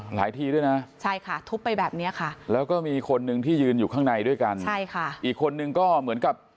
ทีด้วยนะใช่ค่ะทุบไปแบบเนี้ยค่ะแล้วก็มีคนหนึ่งที่ยืนอยู่ข้างในด้วยกันใช่ค่ะอีกคนนึงก็เหมือนกับ